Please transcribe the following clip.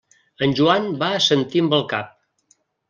En Joan va assentir amb el cap.